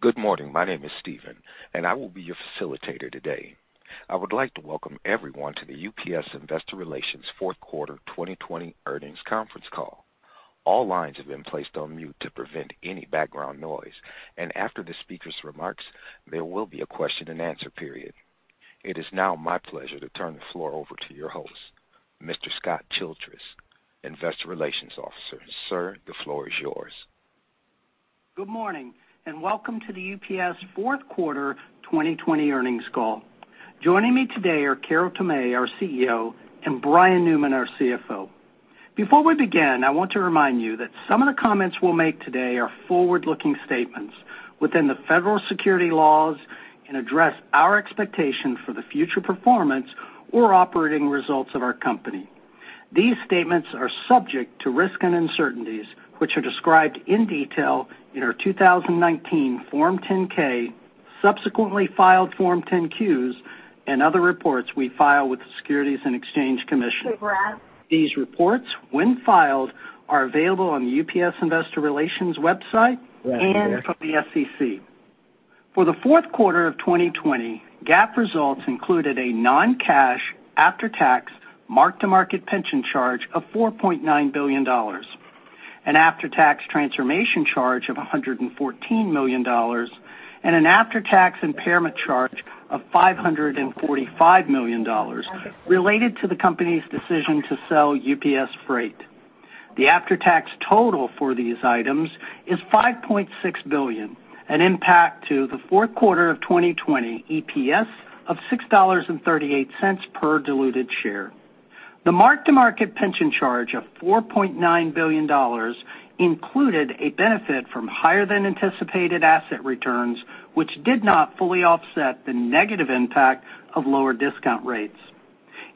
Good morning. My name is Steven, and I will be your facilitator today. I would like to welcome everyone to the UPS Investor Relations fourth quarter 2020 earnings conference call. All lines have been placed on mute to prevent any background noise. After the speaker's remarks, there will be a question and answer period. It is now my pleasure to turn the floor over to your host, Mr. Scott Childress, investor relations officer. Sir, the floor is yours. Good morning, and welcome to the UPS fourth quarter 2020 earnings call. Joining me today are Carol Tomé, our CEO, and Brian Newman, our CFO. Before we begin, I want to remind you that some of the comments we'll make today are forward-looking statements within the federal securities laws and address our expectation for the future performance or operating results of our company. These statements are subject to risks and uncertainties, which are described in detail in our 2019 Form 10-K, subsequently filed Form 10-Qs, and other reports we file with the Securities and Exchange Commission. These reports, when filed, are available on the UPS Investor Relations website and from the SEC. For the fourth quarter of 2020, GAAP results included a non-cash, after-tax, mark-to-market pension charge of $4.9 billion, an after-tax transformation charge of $114 million, and an after-tax impairment charge of $545 million related to the company's decision to sell UPS Freight. The after-tax total for these items is $5.6 billion, an impact to the fourth quarter of 2020 EPS of $6.38 per diluted share. The mark-to-market pension charge of $4.9 billion included a benefit from higher than anticipated asset returns, which did not fully offset the negative impact of lower discount rates.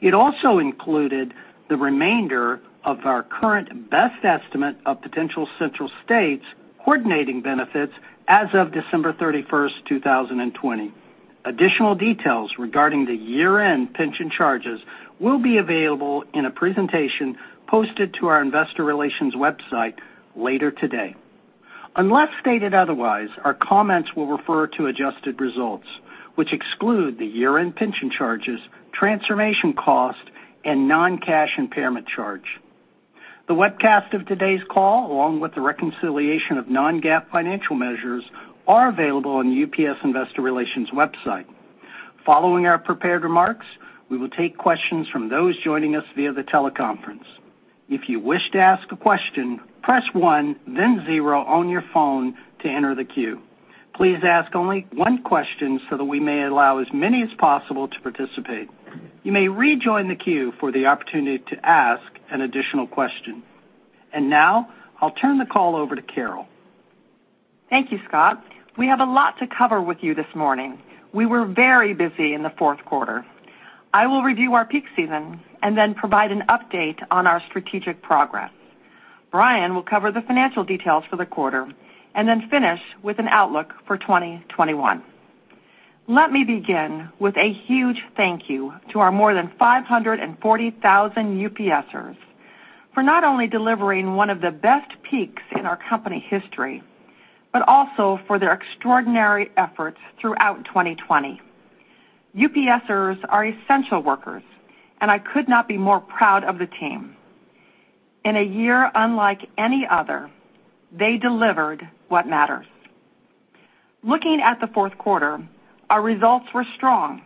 It also included the remainder of our current best estimate of potential Central States coordinating benefits as of December 31st, 2020. Additional details regarding the year-end pension charges will be available in a presentation posted to our Investor Relations website later today. Unless stated otherwise, our comments will refer to adjusted results, which exclude the year-end pension charges, Transformation cost, and non-cash impairment charge. The webcast of today's call, along with the reconciliation of non-GAAP financial measures, are available on the UPS Investor Relations website. Following our prepared remarks, we will take questions from those joining us via the teleconference. If you wish to ask a question, press one, then zero on your phone to enter the queue. Please ask only one question so that we may allow as many as possible to participate. You may rejoin the queue for the opportunity to ask an additional question. Now I'll turn the call over to Carol. Thank you, Scott. We have a lot to cover with you this morning. We were very busy in the fourth quarter. I will review our peak season and provide an update on our strategic progress. Brian will cover the financial details for the quarter and finish with an outlook for 2021. Let me begin with a huge thank you to our more than 540,000 UPSers for not only delivering one of the best peaks in our company history, but also for their extraordinary efforts throughout 2020. UPSers are essential workers. I could not be more proud of the team. In a year unlike any other, they delivered what matters. Looking at the fourth quarter, our results were strong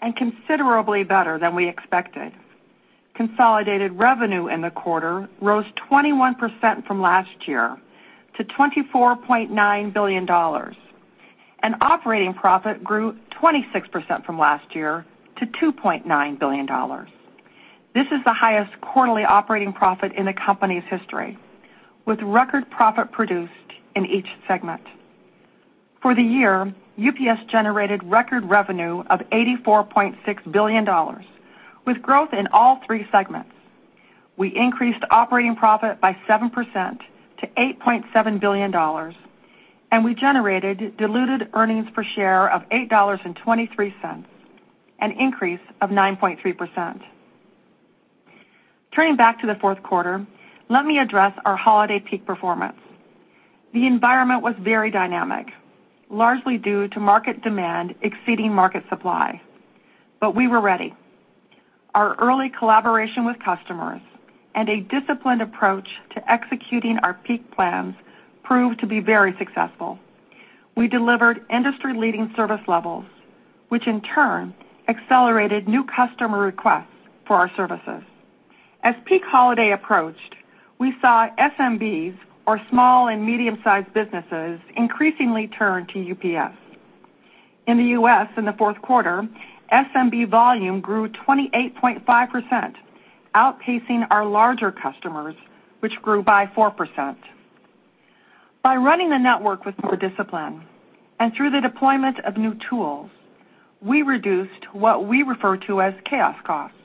and considerably better than we expected. Consolidated revenue in the quarter rose 21% from last year to $24.9 billion. Operating profit grew 26% from last year to $2.9 billion. This is the highest quarterly operating profit in the company's history, with record profit produced in each segment. For the year, UPS generated record revenue of $84.6 billion with growth in all three segments. We increased operating profit by 7% to $8.7 billion, and we generated diluted earnings per share of $8.23, an increase of 9.3%. Turning back to the fourth quarter, let me address our holiday peak performance. The environment was very dynamic, largely due to market demand exceeding market supply. We were ready. Our early collaboration with customers and a disciplined approach to executing our peak plans proved to be very successful. We delivered industry-leading service levels, which in turn accelerated new customer requests for our services. As peak holiday approached, we saw SMBs, or small and medium-sized businesses, increasingly turn to UPS. In the U.S. in the fourth quarter, SMB volume grew 28.5%, outpacing our larger customers, which grew by 4%. By running the network with more discipline and through the deployment of new tools, we reduced what we refer to as chaos costs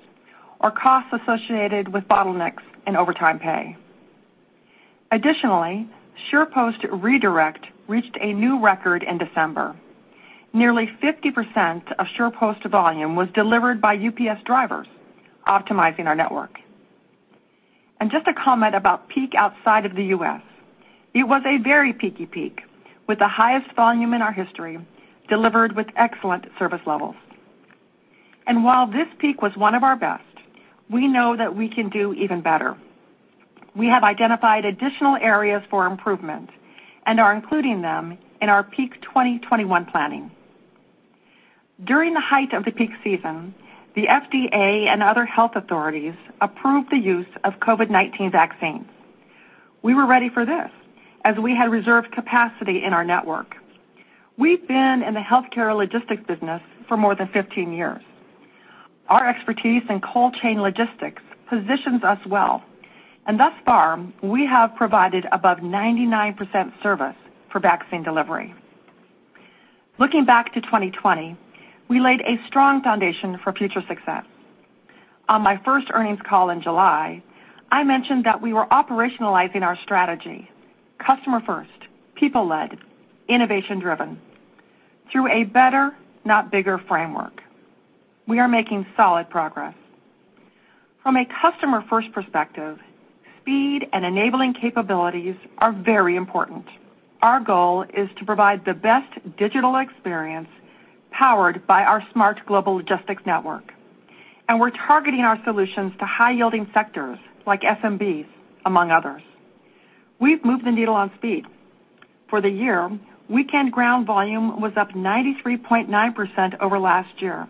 or costs associated with bottlenecks and overtime pay. Additionally, SurePost Redirect reached a new record in December. Nearly 50% of SurePost volume was delivered by UPS drivers, optimizing our network. Just a comment about peak outside of the U.S. It was a very peaky peak, with the highest volume in our history, delivered with excellent service levels. While this peak was one of our best, we know that we can do even better. We have identified additional areas for improvement and are including them in our peak 2021 planning. During the height of the peak season, the FDA and other health authorities approved the use of COVID-19 vaccines. We were ready for this, as we had reserved capacity in our network. We've been in the healthcare logistics business for more than 15 years. Our expertise in cold chain logistics positions us well, and thus far, we have provided above 99% service for vaccine delivery. Looking back to 2020, we laid a strong foundation for future success. On my first earnings call in July, I mentioned that we were operationalizing our strategy, Customer First, People-Led, Innovation-Driven, through a better, not bigger framework. We are making solid progress. From a customer-first perspective, speed and enabling capabilities are very important. Our goal is to provide the best digital experience powered by our smart global logistics network. We're targeting our solutions to high-yielding sectors like SMBs, among others. We've moved the needle on speed. For the year, Weekend Ground volume was up 93.9% over last year.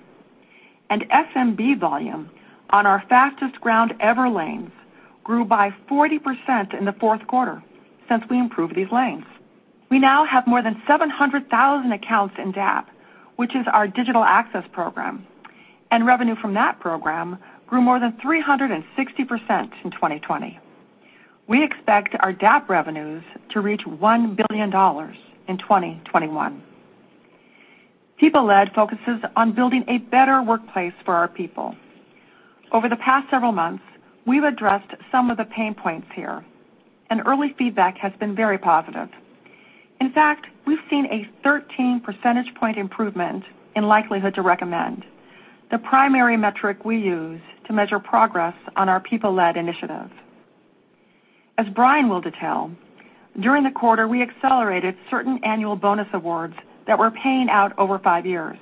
SMB volume on our Fastest Ground Ever lanes grew by 40% in the fourth quarter since we improved these lanes. We now have more than 700,000 accounts in DAP, which is our Digital Access Program, and revenue from that program grew more than 360% in 2020. We expect our DAP revenues to reach $1 billion in 2021. People-led focuses on building a better workplace for our people. Over the past several months, we've addressed some of the pain points here, and early feedback has been very positive. In fact, we've seen a 13 percentage point improvement in likelihood to recommend, the primary metric we use to measure progress on our People-led initiative. As Brian will detail, during the quarter, we accelerated certain annual bonus awards that were paying out over five years.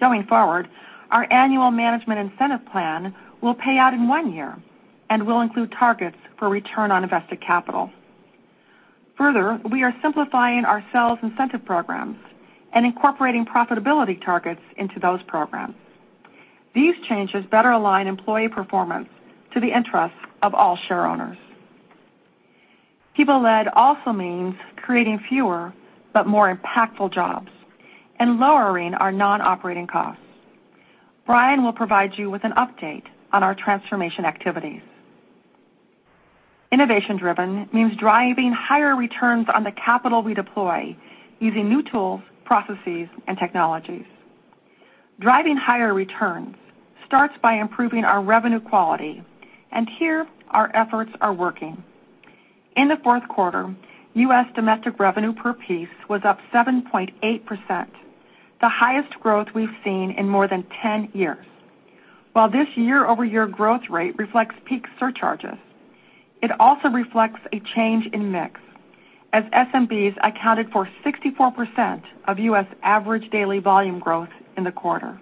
Going forward, our annual management incentive plan will pay out in one year and will include targets for return on invested capital. Further, we are simplifying our sales incentive programs and incorporating profitability targets into those programs. These changes better align employee performance to the interests of all share owners. People-led also means creating fewer but more impactful jobs and lowering our non-operating costs. Brian will provide you with an update on our transformation activities. Innovation-driven means driving higher returns on the capital we deploy using new tools, processes, and technologies. Driving higher returns starts by improving our revenue quality, and here, our efforts are working. In the fourth quarter, U.S. Domestic revenue per piece was up 7.8%, the highest growth we've seen in more than 10 years. While this year-over-year growth rate reflects peak surcharges, it also reflects a change in mix, as SMBs accounted for 64% of U.S. average daily volume growth in the quarter.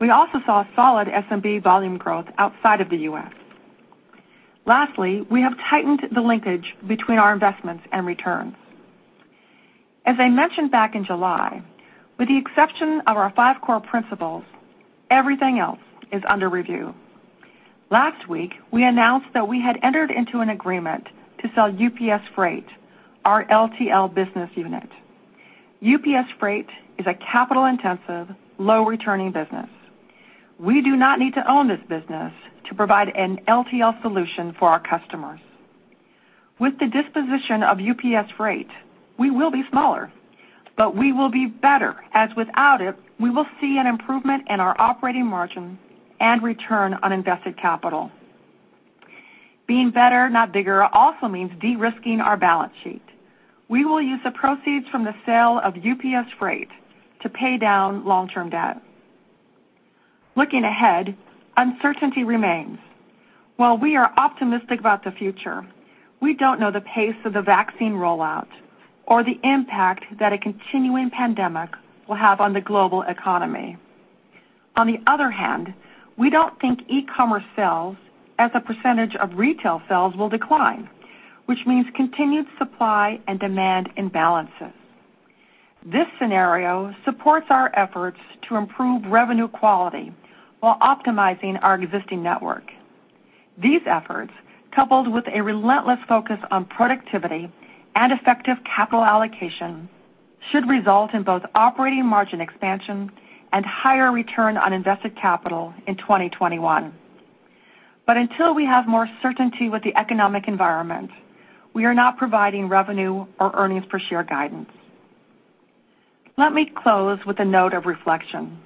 We also saw solid SMB volume growth outside of the U.S. Lastly, we have tightened the linkage between our investments and returns. As I mentioned back in July, with the exception of our five core principles, everything else is under review. Last week, we announced that we had entered into an agreement to sell UPS Freight, our LTL business unit. UPS Freight is a capital-intensive, low-returning business. We do not need to own this business to provide an LTL solution for our customers. With the disposition of UPS Freight, we will be smaller, but we will be better, as without it, we will see an improvement in our operating margin and return on invested capital. Being better, not bigger, also means de-risking our balance sheet. We will use the proceeds from the sale of UPS Freight to pay down long-term debt. Looking ahead, uncertainty remains. While we are optimistic about the future, we don't know the pace of the vaccine rollout or the impact that a continuing pandemic will have on the global economy. On the other hand, we don't think e-commerce sales as a percentage of retail sales will decline, which means continued supply and demand imbalances. This scenario supports our efforts to improve revenue quality while optimizing our existing network. These efforts, coupled with a relentless focus on productivity and effective capital allocation, should result in both operating margin expansion and higher return on invested capital in 2021. Until we have more certainty with the economic environment, we are not providing revenue or earnings per share guidance. Let me close with a note of reflection.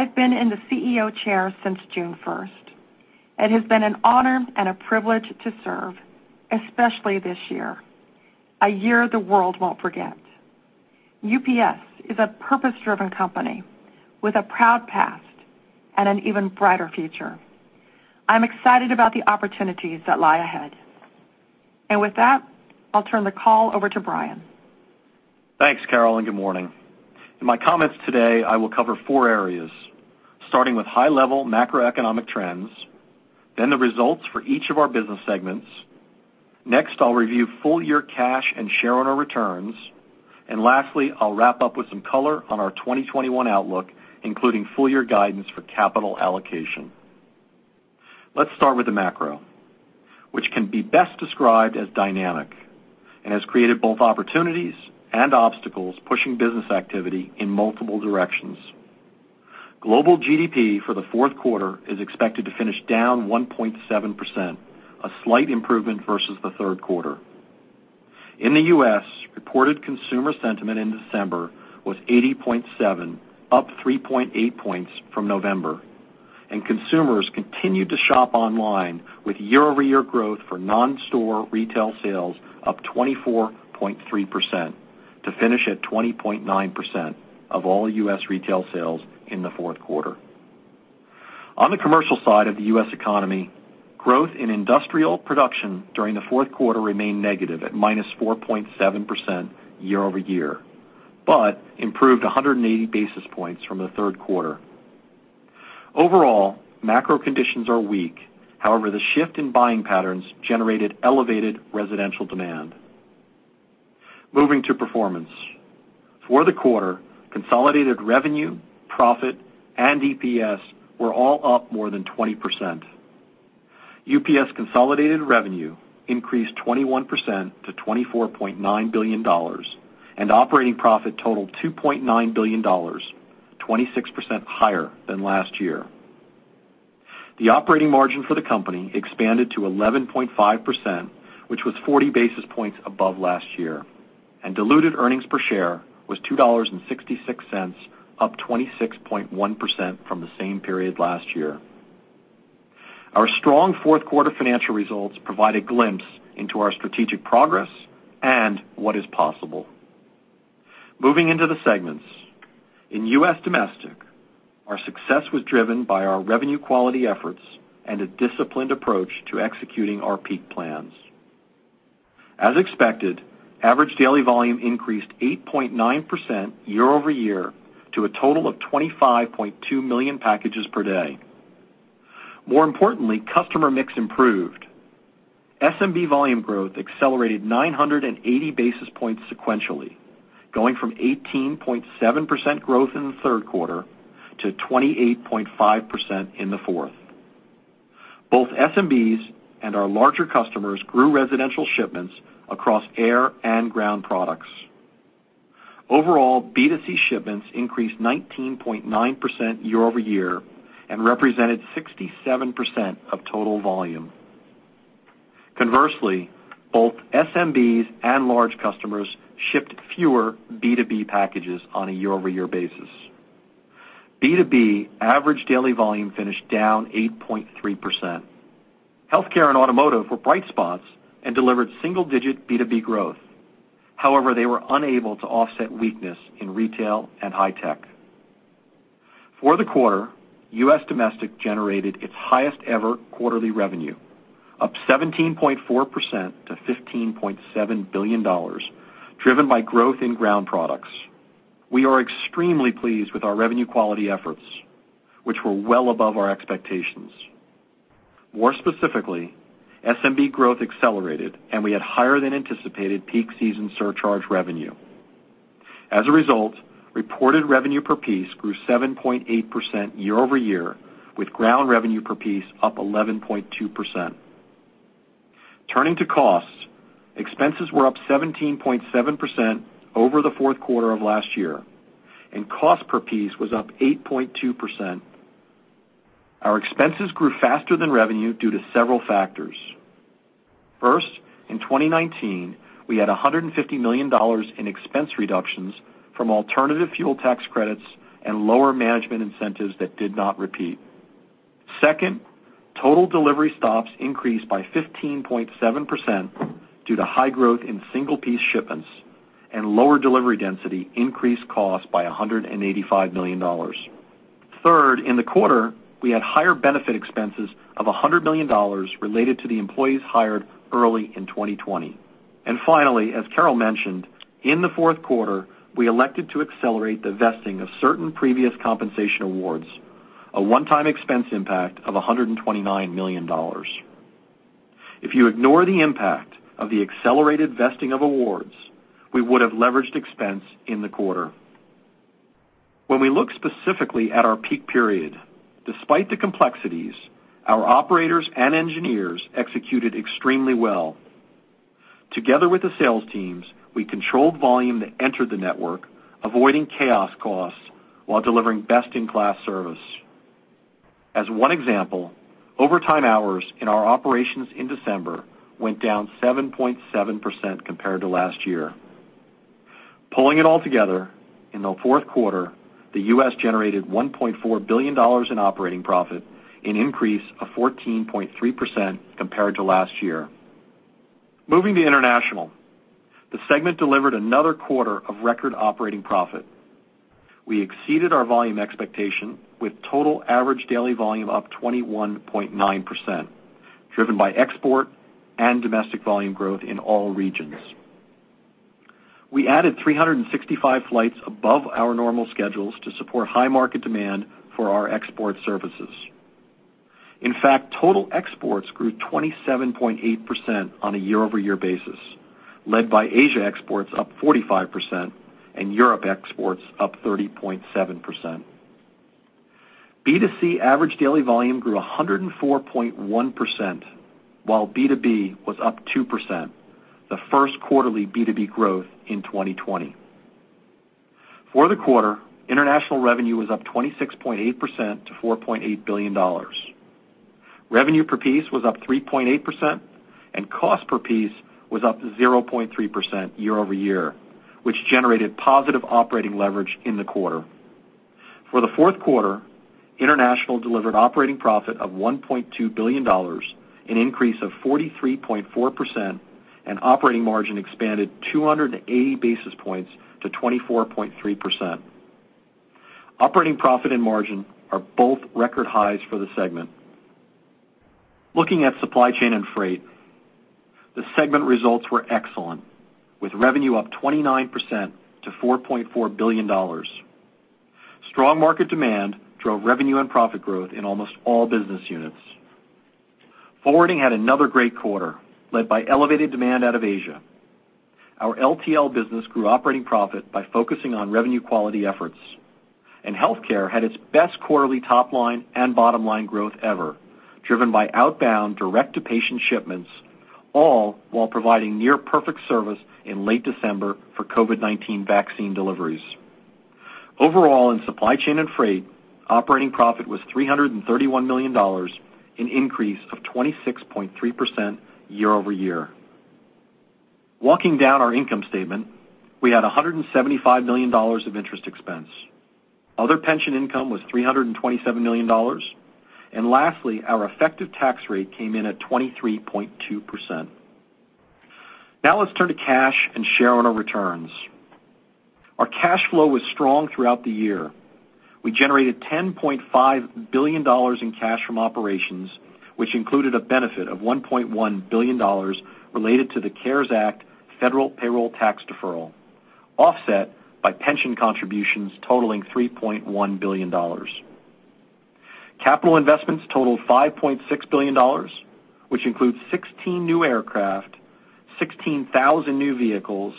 I've been in the CEO chair since June 1st. It has been an honor and a privilege to serve, especially this year, a year the world won't forget. UPS is a purpose-driven company with a proud past and an even brighter future. I'm excited about the opportunities that lie ahead. With that, I'll turn the call over to Brian. Thanks, Carol. Good morning. In my comments today, I will cover four areas, starting with high-level macroeconomic trends, then the results for each of our business segments. Next, I'll review full-year cash and shareowner returns. Lastly, I'll wrap up with some color on our 2021 outlook, including full-year guidance for capital allocation. Let's start with the macro, which can be best described as dynamic, and has created both opportunities and obstacles, pushing business activity in multiple directions. Global GDP for the fourth quarter is expected to finish down 1.7%, a slight improvement versus the third quarter. In the U.S., reported consumer sentiment in December was 80.7, up 3.8 points from November. Consumers continued to shop online with year-over-year growth for non-store retail sales up 24.3%, to finish at 20.9% of all U.S. retail sales in the fourth quarter. On the commercial side of the U.S. economy, growth in industrial production during the fourth quarter remained negative at -4.7% year-over-year, but improved 180 basis points from the third quarter. Overall, macro conditions are weak. However, the shift in buying patterns generated elevated residential demand. Moving to performance. For the quarter, consolidated revenue, profit, and EPS were all up more than 20%. UPS consolidated revenue increased 21% to $24.9 billion, and operating profit totaled $2.9 billion, 26% higher than last year. The operating margin for the company expanded to 11.5%, which was 40 basis points above last year, and diluted earnings per share was $2.66, up 26.1% from the same period last year. Our strong fourth quarter financial results provide a glimpse into our strategic progress and what is possible. Moving into the segments. In U.S. Domestic, our success was driven by our revenue quality efforts and a disciplined approach to executing our peak plans. As expected, average daily volume increased 8.9% year-over-year to a total of 25.2 million packages per day. More importantly, customer mix improved. SMB volume growth accelerated 980 basis points sequentially, going from 18.7% growth in the third quarter to 28.5% in the fourth. Both SMBs and our larger customers grew residential shipments across air and ground products. Overall, B2C shipments increased 19.9% year-over-year and represented 67% of total volume. Conversely, both SMBs and large customers shipped fewer B2B packages on a year-over-year basis. B2B average daily volume finished down 8.3%. Healthcare and automotive were bright spots and delivered single-digit B2B growth. However, they were unable to offset weakness in retail and high tech. For the quarter, U.S. Domestic generated its highest ever quarterly revenue, up 17.4% to $15.7 billion, driven by growth in ground products. We are extremely pleased with our revenue quality efforts, which were well above our expectations. More specifically, SMB growth accelerated, and we had higher than anticipated peak season surcharge revenue. As a result, reported revenue per piece grew 7.8% year-over-year with ground revenue per piece up 11.2%. Turning to costs, expenses were up 17.7% over the fourth quarter of last year, and cost per piece was up 8.2%. Our expenses grew faster than revenue due to several factors. First, in 2019, we had $150 million in expense reductions from alternative fuel tax credits and lower management incentives that did not repeat. Second, total delivery stops increased by 15.7% due to high growth in single piece shipments and lower delivery density increased costs by $185 million. Third, in the quarter, we had higher benefit expenses of $100 million related to the employees hired early in 2020. Finally, as Carol mentioned, in the fourth quarter, we elected to accelerate the vesting of certain previous compensation awards, a one-time expense impact of $129 million. If you ignore the impact of the accelerated vesting of awards, we would have leveraged expense in the quarter. When we look specifically at our peak period, despite the complexities, our operators and engineers executed extremely well. Together with the sales teams, we controlled volume that entered the network, avoiding chaos costs while delivering best-in-class service. As one example, overtime hours in our operations in December went down 7.7% compared to last year. Pulling it all together, in the fourth quarter, the U.S. generated $1.4 billion in operating profit, an increase of 14.3% compared to last year. Moving to international. The segment delivered another quarter of record operating profit. We exceeded our volume expectation with total average daily volume up 21.9%, driven by export and domestic volume growth in all regions. We added 365 flights above our normal schedules to support high market demand for our export services. In fact, total exports grew 27.8% on a year-over-year basis, led by Asia exports up 45% and Europe exports up 30.7%. B2C average daily volume grew 104.1%, while B2B was up 2%, the first quarterly B2B growth in 2020. For the quarter, international revenue was up 26.8% to $4.8 billion. Revenue per piece was up 3.8% and cost per piece was up 0.3% year-over-year, which generated positive operating leverage in the quarter. For the fourth quarter, international delivered operating profit of $1.2 billion, an increase of 43.4%, and operating margin expanded 280 basis points to 24.3%. Operating profit and margin are both record highs for the segment. Looking at Supply Chain and Freight, the segment results were excellent, with revenue up 29% to $4.4 billion. Strong market demand drove revenue and profit growth in almost all business units. Forwarding had another great quarter, led by elevated demand out of Asia. Our LTL business grew operating profit by focusing on revenue quality efforts, and healthcare had its best quarterly top-line and bottom-line growth ever, driven by outbound direct-to-patient shipments, all while providing near-perfect service in late December for COVID-19 vaccine deliveries. Overall, in Supply Chain and Freight, operating profit was $331 million, an increase of 26.3% year-over-year. Walking down our income statement, we had $175 million of interest expense. Other pension income was $327 million. Lastly, our effective tax rate came in at 23.2%. Now let's turn to cash and shareowner returns. Our cash flow was strong throughout the year. We generated $10.5 billion in cash from operations, which included a benefit of $1.1 billion related to the CARES Act federal payroll tax deferral, offset by pension contributions totaling $3.1 billion. Capital investments totaled $5.6 billion, which includes 16 new aircraft, 16,000 new vehicles,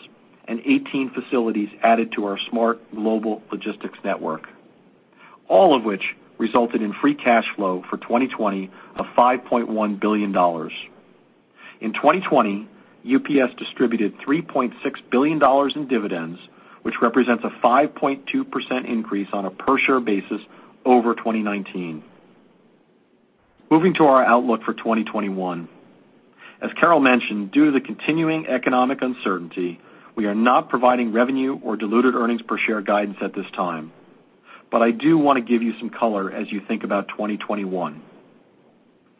and 18 facilities added to our smart global logistics network, all of which resulted in free cash flow for 2020 of $5.1 billion. In 2020, UPS distributed $3.6 billion in dividends, which represents a 5.2% increase on a per-share basis over 2019. Moving to our outlook for 2021. As Carol mentioned, due to the continuing economic uncertainty, we are not providing revenue or diluted earnings per share guidance at this time. I do want to give you some color as you think about 2021.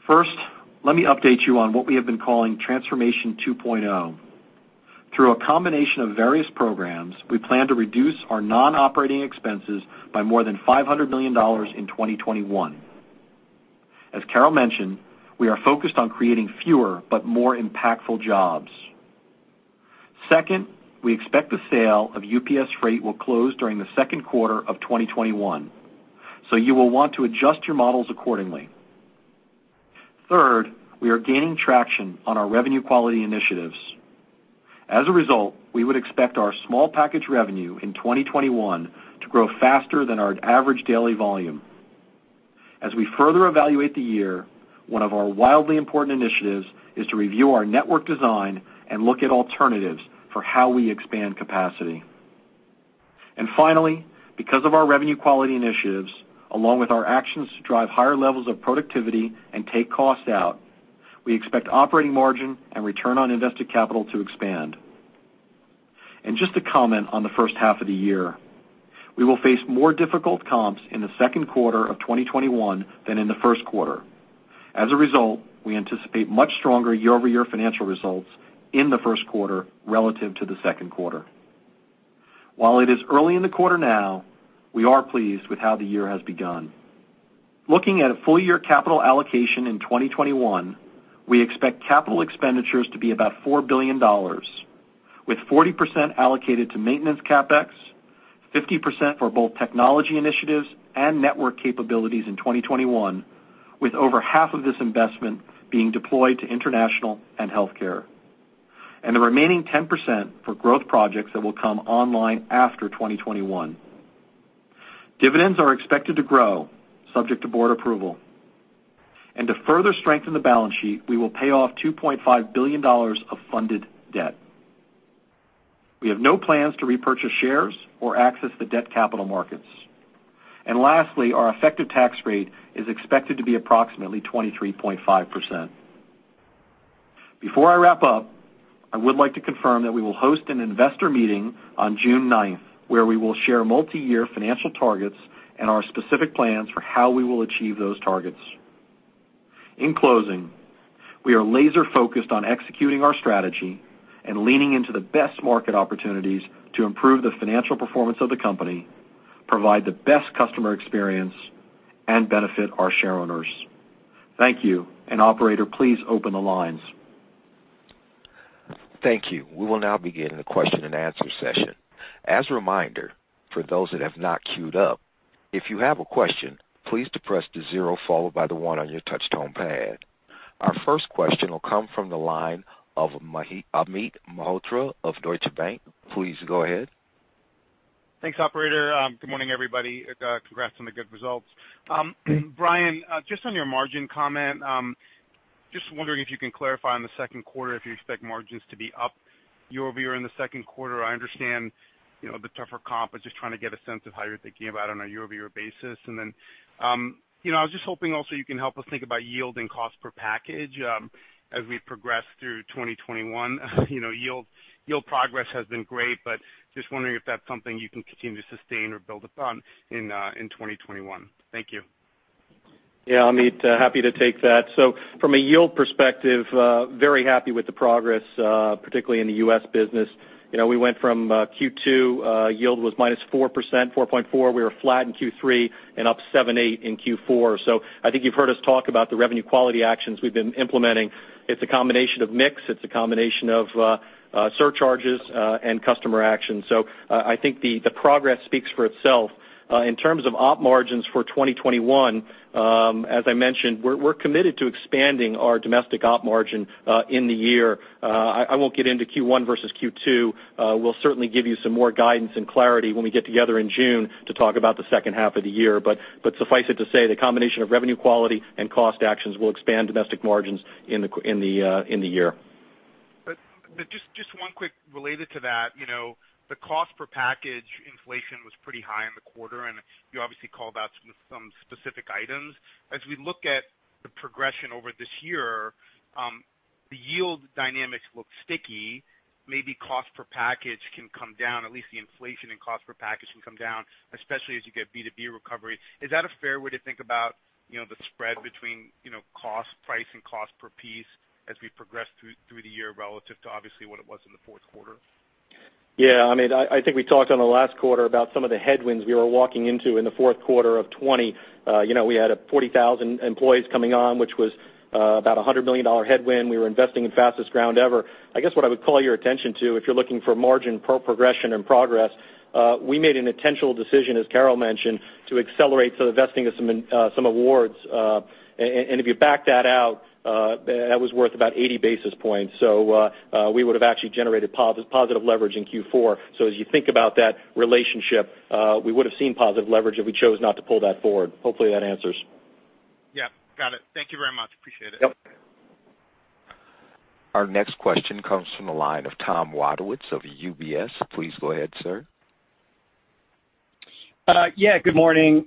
First, let me update you on what we have been calling Transformation 2.0. Through a combination of various programs, we plan to reduce our non-operating expenses by more than $500 million in 2021. As Carol mentioned, we are focused on creating fewer but more impactful jobs. Second, we expect the sale of UPS Freight will close during the second quarter of 2021, so you will want to adjust your models accordingly. Third, we are gaining traction on our revenue quality initiatives. As a result, we would expect our small package revenue in 2021 to grow faster than our average daily volume. As we further evaluate the year, one of our wildly important initiatives is to review our network design and look at alternatives for how we expand capacity. Finally, because of our revenue quality initiatives, along with our actions to drive higher levels of productivity and take costs out, we expect operating margin and return on invested capital to expand. Just to comment on the first half of the year, we will face more difficult comps in the second quarter of 2021 than in the first quarter. As a result, we anticipate much stronger year-over-year financial results in the first quarter relative to the second quarter. While it is early in the quarter now, we are pleased with how the year has begun. Looking at a full-year capital allocation in 2021, we expect capital expenditures to be about $4 billion, with 40% allocated to maintenance CapEx, 50% for both technology initiatives and network capabilities in 2021, with over half of this investment being deployed to international and healthcare, and the remaining 10% for growth projects that will come online after 2021. Dividends are expected to grow, subject to board approval. To further strengthen the balance sheet, we will pay off $2.5 billion of funded debt. We have no plans to repurchase shares or access the debt capital markets. Lastly, our effective tax rate is expected to be approximately 23.5%. Before I wrap up, I would like to confirm that we will host an investor meeting on June 9th, where we will share multi-year financial targets and our specific plans for how we will achieve those targets. In closing, we are laser-focused on executing our strategy and leaning into the best market opportunities to improve the financial performance of the company, provide the best customer experience, and benefit our shareowners. Thank you, and operator, please open the lines. Thank you. We will now begin the question and answer session. As a reminder, for those that have not queued up, if you have a question, please depress the zero followed by the one on your touch tone pad. Our first question will come from the line of Amit Mehrotra of Deutsche Bank. Please go ahead. Thanks, operator. Good morning, everybody. Congrats on the good results. Brian, just on your margin comment, just wondering if you can clarify on the second quarter if you expect margins to be up year-over-year in the second quarter. I understand the tougher comp, but just trying to get a sense of how you're thinking about it on a year-over-year basis. I was just hoping also you can help us think about yield and cost per package as we progress through 2021. Yield progress has been great, but just wondering if that's something you can continue to sustain or build upon in 2021. Thank you. Amit, happy to take that. From a yield perspective, very happy with the progress, particularly in the U.S. business. We went from Q2, yield was -4%, 4.4%. We were flat in Q3 and up 7.8% in Q4. I think you've heard us talk about the revenue quality actions we've been implementing. It's a combination of mix, it's a combination of surcharges, and customer action. I think the progress speaks for itself. In terms of op margins for 2021, as I mentioned, we're committed to expanding our domestic op margin in the year. I won't get into Q1 versus Q2. We'll certainly give you some more guidance and clarity when we get together in June to talk about the second half of the year. Suffice it to say, the combination of revenue quality and cost actions will expand domestic margins in the year. Just one quick related to that. The cost per package inflation was pretty high in the quarter, and you obviously called out some specific items. As we look at the progression over this year, the yield dynamics look sticky. Maybe cost per package can come down, at least the inflation in cost per package can come down, especially as you get B2B recovery. Is that a fair way to think about the spread between price and cost per piece as we progress through the year relative to obviously what it was in the fourth quarter? Amit. I think we talked on the last quarter about some of the headwinds we were walking into in the fourth quarter of 2020. We had 40,000 employees coming on, which was about $100 million headwind. We were investing in Fastest Ground Ever. I guess what I would call your attention to, if you're looking for margin progression and progress, we made an intentional decision, as Carol mentioned, to accelerate the vesting of some awards. If you back that out, that was worth about 80 basis points. We would have actually generated positive leverage in Q4. As you think about that relationship, we would have seen positive leverage if we chose not to pull that forward. Hopefully, that answers. Yeah. Got it. Thank you very much. Appreciate it. Yep. Our next question comes from the line of Tom Wadewitz of UBS. Please go ahead, sir. Yeah, good morning.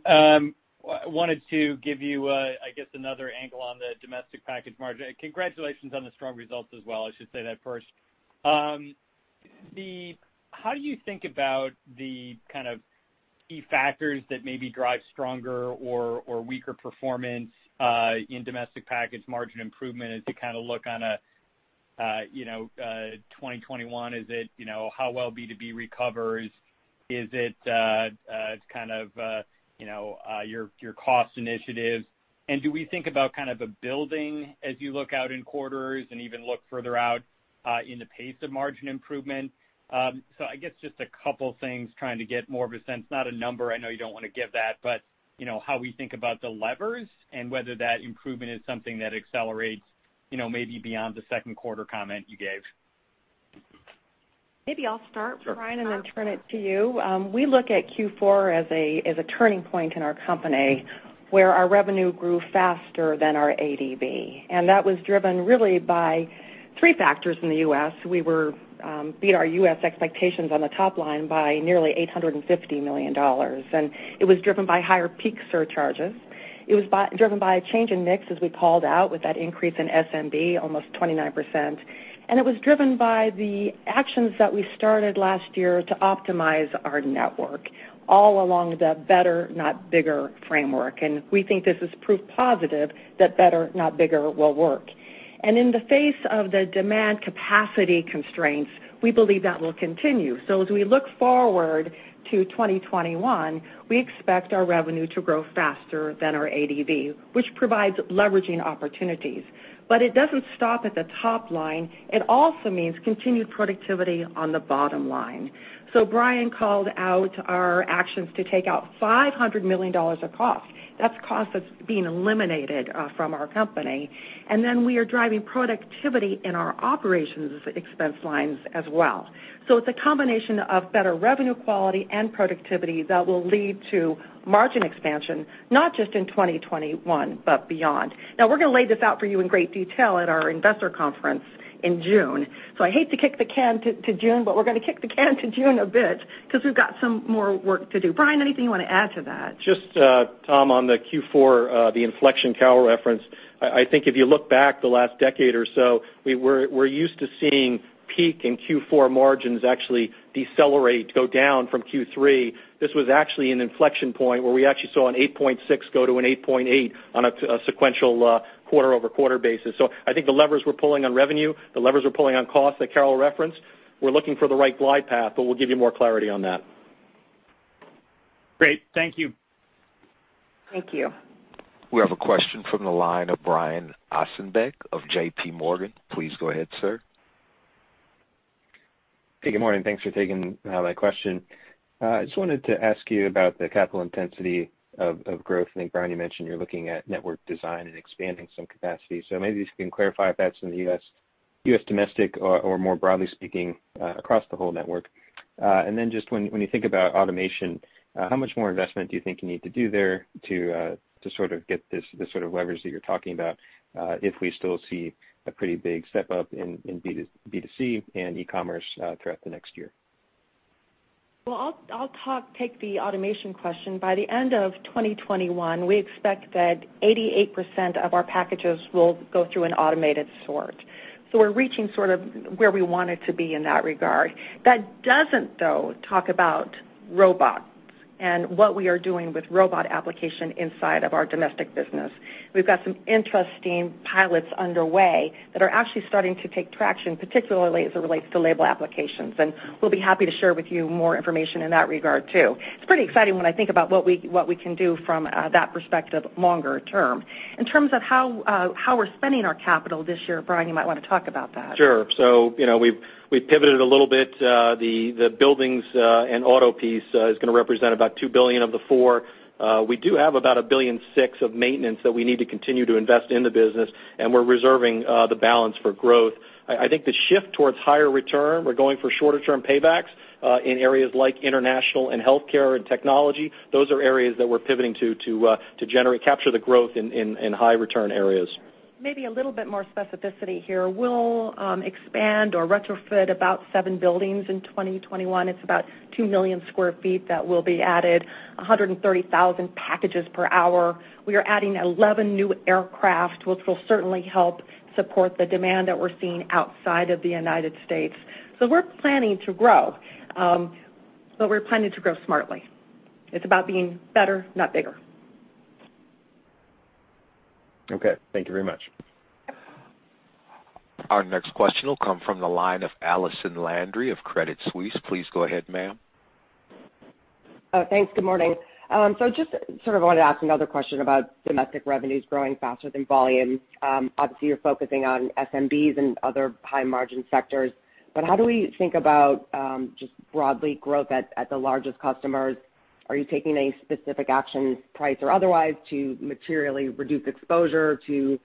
Wanted to give you, I guess, another angle on the domestic package margin. Congratulations on the strong results as well, I should say that first. How do you think about the key factors that maybe drive stronger or weaker performance in domestic package margin improvement as we look on 2021? Is it how well B2B recovers? Is it your cost initiatives? Do we think about a building as you look out in quarters and even look further out in the pace of margin improvement? I guess just a couple of things trying to get more of a sense, not a number, I know you don't want to give that, but how we think about the levers and whether that improvement is something that accelerates maybe beyond the second quarter comment you gave. Maybe I'll start, Brian, and then turn it to you. We look at Q4 as a turning point in our company where our revenue grew faster than our ADV. That was driven really by three factors in the U.S. We beat our U.S. expectations on the top line by nearly $850 million. It was driven by higher peak surcharges. It was driven by a change in mix, as we called out, with that increase in SMB almost 29%. It was driven by the actions that we started last year to optimize our network all along the better, not bigger framework. We think this is proof positive that better, not bigger will work. In the face of the demand capacity constraints, we believe that will continue. As we look forward to 2021, we expect our revenue to grow faster than our ADV, which provides leveraging opportunities. It doesn't stop at the top line. It also means continued productivity on the bottom line. Brian called out our actions to take out $500 million of cost. That's cost that's being eliminated from our company. Then we are driving productivity in our operations expense lines as well. It's a combination of better revenue quality and productivity that will lead to margin expansion, not just in 2021, but beyond. We're going to lay this out for you in great detail at our investor conference in June. I hate to kick the can to June, but we're going to kick the can to June a bit because we've got some more work to do. Brian, anything you want to add to that? Tom, on the Q4, the inflection Carol referenced. I think if you look back the last decade or so, we're used to seeing peak and Q4 margins actually decelerate, go down from Q3. This was actually an inflection point where we actually saw an 8.6 go to an 8.8 on a sequential quarter-over-quarter basis. I think the levers we're pulling on revenue, the levers we're pulling on cost that Carol referenced, we're looking for the right glide path, but we'll give you more clarity on that. Great. Thank you. Thank you. We have a question from the line of Brian Ossenbeck of JPMorgan. Please go ahead, sir. Hey, good morning. Thanks for taking my question. I just wanted to ask you about the capital intensity of growth. I think, Brian, you mentioned you're looking at network design and expanding some capacity. Maybe if you can clarify if that's in the U.S. Domestic or more broadly speaking, across the whole network. Then just when you think about automation, how much more investment do you think you need to do there to get this sort of leverage that you're talking about if we still see a pretty big step up in B2C and e-commerce throughout the next year? I'll take the automation question. By the end of 2021, we expect that 88% of our packages will go through an automated sort. We're reaching where we wanted to be in that regard. That doesn't, though, talk about robots and what we are doing with robot application inside of our domestic business. We've got some interesting pilots underway that are actually starting to take traction, particularly as it relates to label applications, and we'll be happy to share with you more information in that regard, too. It's pretty exciting when I think about what we can do from that perspective longer term. In terms of how we're spending our capital this year, Brian, you might want to talk about that. Sure. We've pivoted a little bit. The buildings and auto piece is going to represent about $2 billion of the 4. We do have about $1.6 billion of maintenance that we need to continue to invest in the business, and we're reserving the balance for growth. I think the shift towards higher return, we're going for shorter-term paybacks in areas like international and healthcare and technology. Those are areas that we're pivoting to capture the growth in high return areas. Maybe a little bit more specificity here. We'll expand or retrofit about seven buildings in 2021. It's about 2 million sq ft that will be added, 130,000 packages per hour. We are adding 11 new aircraft, which will certainly help support the demand that we're seeing outside of the U.S. We're planning to grow, but we're planning to grow smartly. It's about being better, not bigger. Okay. Thank you very much. Our next question will come from the line of Allison Landry of Credit Suisse. Please go ahead, ma'am. Thanks. Good morning. Just sort of wanted to ask another question about domestic revenues growing faster than volume. Obviously, you're focusing on SMBs and other high-margin sectors, but how do we think about just broadly growth at the largest customers? Are you taking any specific actions, price or otherwise, to materially reduce exposure to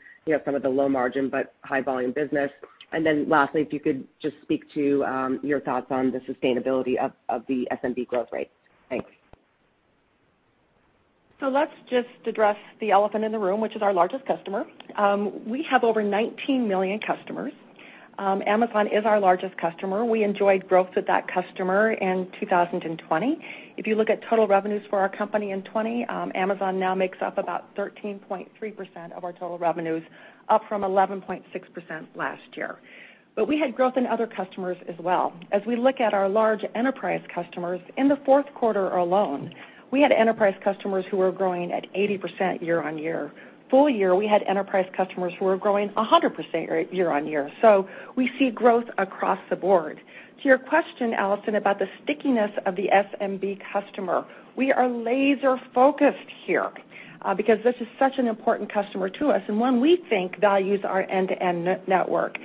some of the low margin but high volume business? Lastly, if you could just speak to your thoughts on the sustainability of the SMB growth rates. Thanks. Let's just address the elephant in the room, which is our largest customer. We have over 19 million customers. Amazon is our largest customer. We enjoyed growth with that customer in 2020. If you look at total revenues for our company in 2020, Amazon now makes up about 13.3% of our total revenues, up from 11.6% last year. We had growth in other customers as well. As we look at our large enterprise customers, in the fourth quarter alone, we had enterprise customers who were growing at 80% year-on-year. Full year, we had enterprise customers who were growing 100% year-on-year. We see growth across the board. To your question, Allison, about the stickiness of the SMB customer, we are laser focused here because this is such an important customer to us and one we think values our end-to-end network.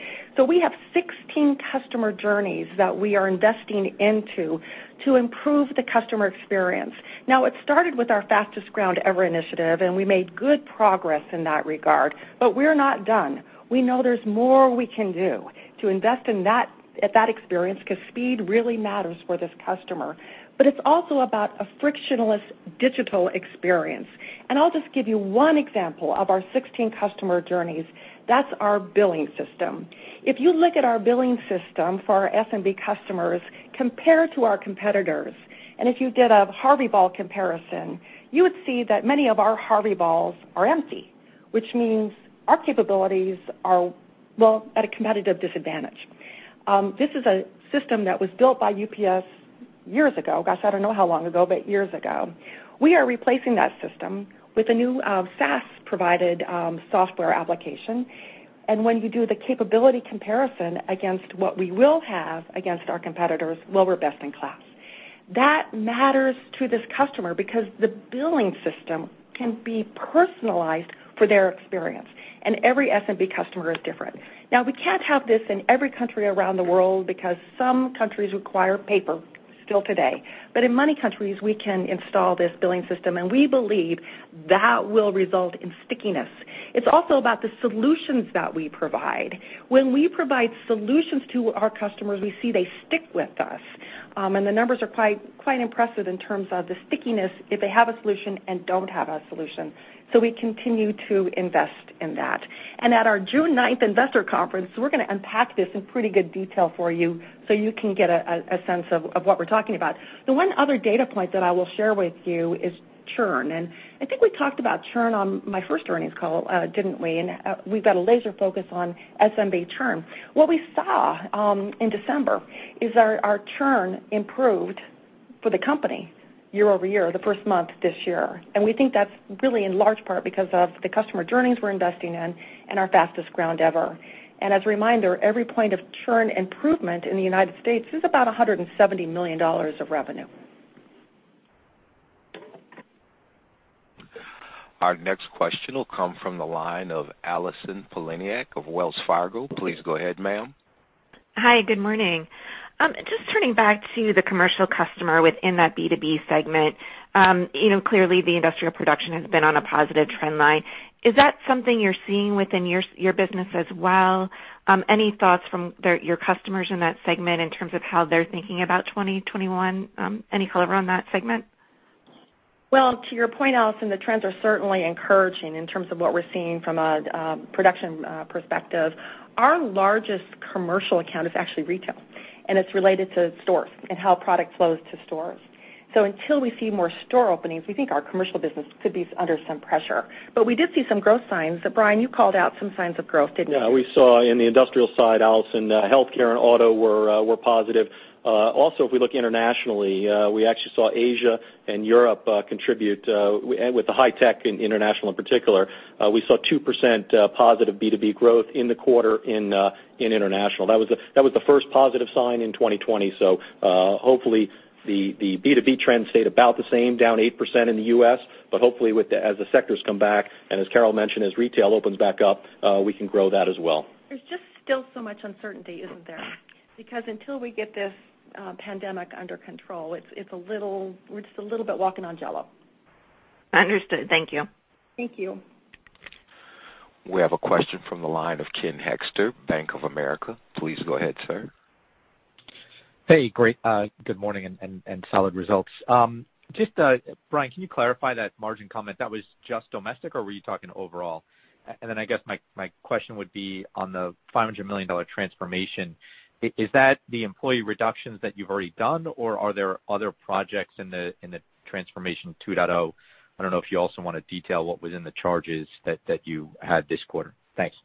We have 16 customer journeys that we are investing into to improve the customer experience. Now, it started with our Fastest Ground Ever initiative, and we made good progress in that regard, but we're not done. We know there's more we can do to invest at that experience because speed really matters for this customer. It's also about a frictionless digital experience. I'll just give you one example of our 16 customer journeys. That's our billing system. If you look at our billing system for our SMB customers compared to our competitors, and if you did a Harvey ball comparison, you would see that many of our Harvey balls are empty, which means our capabilities are at a competitive disadvantage. This is a system that was built by UPS years ago. Gosh, I don't know how long ago, but years ago. We are replacing that system with a new SaaS-provided software application, and when you do the capability comparison against what we will have against our competitors, well, we're best in class. That matters to this customer because the billing system can be personalized for their experience, and every SMB customer is different. Now, we can't have this in every country around the world because some countries require paper still today. In many countries, we can install this billing system, and we believe that will result in stickiness. It's also about the solutions that we provide. When we provide solutions to our customers, we see they stick with us. The numbers are quite impressive in terms of the stickiness if they have a solution and don't have a solution. We continue to invest in that. At our June 9th investor conference, we're going to unpack this in pretty good detail for you so you can get a sense of what we're talking about. The one other data point that I will share with you is churn. I think we talked about churn on my first earnings call, didn't we? We've got a laser focus on SMB churn. What we saw in December is our churn improved for the company year-over-year, the first month this year. We think that's really in large part because of the customer journeys we're investing in and our Fastest Ground Ever. As a reminder, every point of churn improvement in the United States is about $170 million of revenue. Our next question will come from the line of Allison Poliniak of Wells Fargo. Please go ahead, ma'am. Hi, good morning. Just turning back to the commercial customer within that B2B segment. Clearly, the industrial production has been on a positive trend line. Is that something you're seeing within your business as well? Any thoughts from your customers in that segment in terms of how they're thinking about 2021? Any color on that segment? To your point, Allison, the trends are certainly encouraging in terms of what we're seeing from a production perspective. Our largest commercial account is actually retail, and it's related to stores and how product flows to stores. Until we see more store openings, we think our commercial business could be under some pressure. We did see some growth signs. Brian, you called out some signs of growth, didn't you? Yeah, we saw in the industrial side, Allison, healthcare and auto were positive. If we look internationally, we actually saw Asia and Europe contribute with the high tech, international in particular. We saw 2% positive B2B growth in the quarter in international. That was the first positive sign in 2020. Hopefully the B2B trends stayed about the same, down 8% in the U.S., but hopefully as the sectors come back, and as Carol mentioned, as retail opens back up, we can grow that as well. There's just still so much uncertainty, isn't there? Until we get this pandemic under control, we're just a little bit walking on Jell-O. Understood. Thank you. Thank you. We have a question from the line of Ken Hoexter, Bank of America. Please go ahead, sir. Hey, great. Good morning, and solid results. Brian, can you clarify that margin comment? That was just domestic, or were you talking overall? I guess my question would be on the $500 million Transformation. Is that the employee reductions that you've already done, or are there other projects in the Transformation 2.0? I don't know if you also want to detail what was in the charges that you had this quarter. Thanks.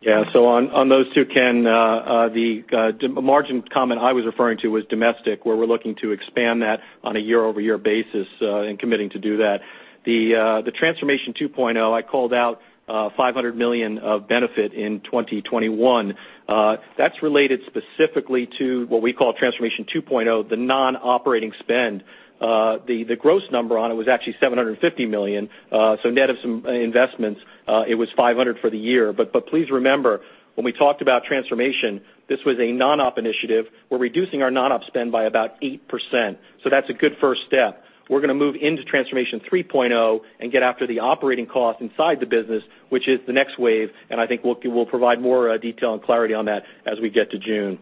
Yeah. On those two, Ken, the margin comment I was referring to was domestic, where we're looking to expand that on a year-over-year basis and committing to do that. The Transformation 2.0, I called out $500 million of benefit in 2021. That's related specifically to what we call Transformation 2.0, the non-operating spend. The gross number on it was actually $750 million. Net of some investments, it was $500 for the year. Please remember, when we talked about transformation, this was a non-op initiative. We're reducing our non-op spend by about 8%. That's a good first step. We're going to move into Transformation 3.0 and get after the operating cost inside the business, which is the next wave, and I think we'll provide more detail and clarity on that as we get to June.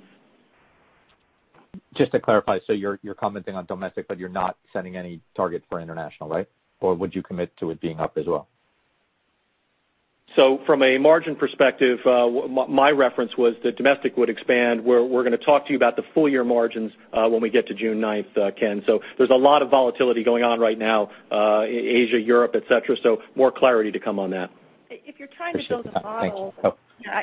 Just to clarify, you're commenting on U.S. Domestic, but you're not setting any target for International, right? Would you commit to it being up as well? From a margin perspective, my reference was that Domestic would expand, where we're going to talk to you about the full year margins when we get to June 9th, Ken. There's a lot of volatility going on right now, Asia, Europe, et cetera. More clarity to come on that. If you're trying to build a model. Appreciate that. Thanks. Oh.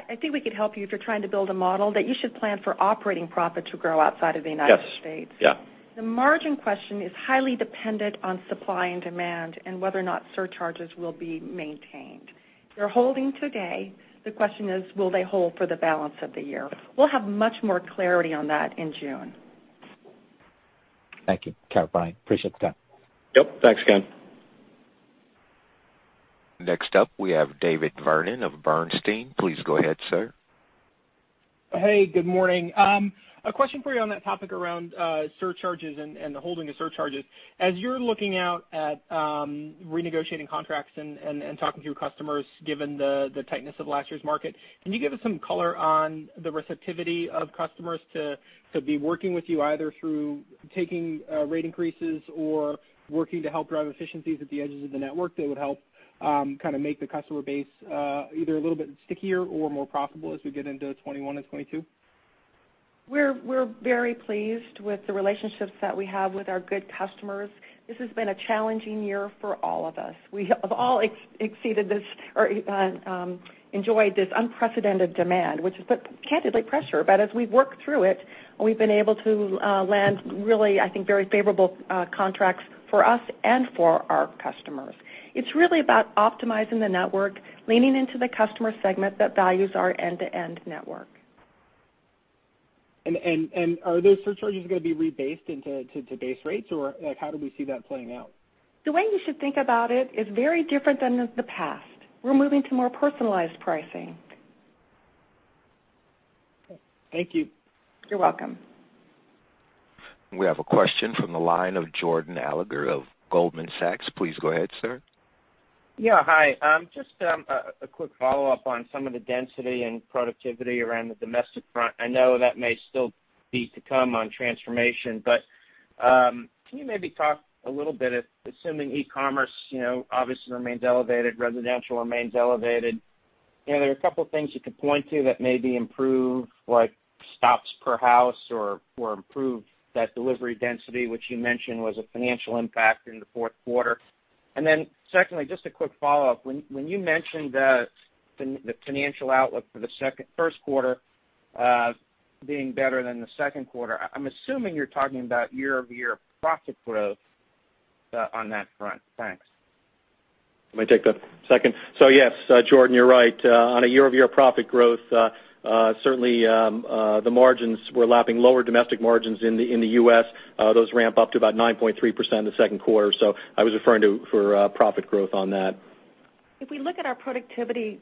I think we could help you if you're trying to build a model that you should plan for operating profit to grow outside of the United States. Yes. Yeah. The margin question is highly dependent on supply and demand and whether or not surcharges will be maintained. They're holding today. The question is, will they hold for the balance of the year? We'll have much more clarity on that in June. Thank you, Carol, Brian. Appreciate the time. Yep. Thanks, Ken. Next up, we have David Vernon of Bernstein. Please go ahead, sir. Hey, good morning. A question for you on that topic around surcharges and the holding of surcharges. As you're looking out at renegotiating contracts and talking to your customers, given the tightness of last year's market, can you give us some color on the receptivity of customers to be working with you either through taking rate increases or working to help drive efficiencies at the edges of the network that would help make the customer base either a little bit stickier or more profitable as we get into 2021 and 2022? We're very pleased with the relationships that we have with our good customers. This has been a challenging year for all of us. We have all enjoyed this unprecedented demand, which has put, candidly, pressure. As we've worked through it, we've been able to land really, I think, very favorable contracts for us and for our customers. It's really about optimizing the network, leaning into the customer segment that values our end-to-end network. Are those surcharges going to be rebased into base rates, or how do we see that playing out? The way you should think about it is very different than the past. We're moving to more personalized pricing. Okay. Thank you. You're welcome. We have a question from the line of Jordan Alliger of Goldman Sachs. Please go ahead, sir. Yeah, hi. Just a quick follow-up on some of the density and productivity around the domestic front. I know that may still be to come on Transformation, but can you maybe talk a little bit, assuming e-commerce obviously remains elevated, residential remains elevated. There are a couple of things you could point to that maybe improve, like stops per house or improve that delivery density, which you mentioned was a financial impact in the fourth quarter. Secondly, just a quick follow-up. When you mentioned the financial outlook for the first quarter being better than the second quarter, I'm assuming you're talking about year-over-year profit growth on that front. Thanks. Let me take the second. Yes, Jordan, you're right. On a year-over-year profit growth, certainly the margins, we're lapping lower domestic margins in the U.S. Those ramp up to about 9.3% in the second quarter. I was referring to for profit growth on that. If we look at our productivity